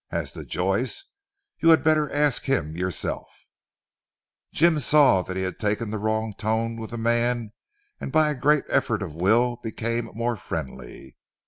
As to Joyce, you had better ask him yourself." Jim saw that he had taken the wrong tone with the man and by a great effort of will became more friendly.